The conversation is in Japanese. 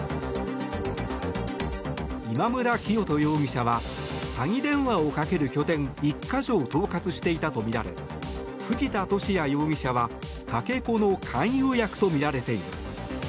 今村磨人容疑者は詐欺電話をかける拠点１か所を統括していたとみられ藤田聖也容疑者は、かけ子の勧誘役とみられています。